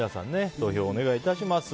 投票お願いします。